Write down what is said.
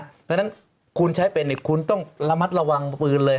เพราะฉะนั้นคุณใช้เป็นคุณต้องระมัดระวังปืนเลย